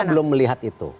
saya belum melihat itu